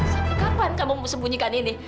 sampai kapan kamu sembunyikan ini